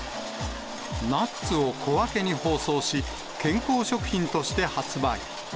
ナッツを小分けに包装し、健康食品として発売。